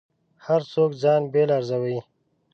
هر څوک ځان بېل ارزوي.